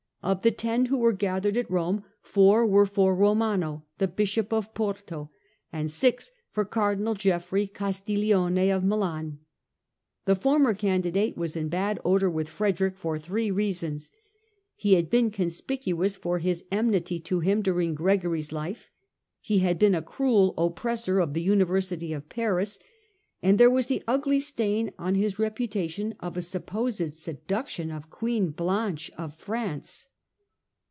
Of the ten who were gatherecUiat Rome, four were for Romano, the Bishop of Porto, /nd six for Cardinal Geoffrey Castiglione of Milan." The former candidate was in bad odour with Frederick for three reasons : he had been conspicuous for his enmity to him during Gregory's life ; he had been a cruel oppressor of the University of Paris ; and there was the ugly stain on his reputation of a supposed seduction of Queen Blanche of France.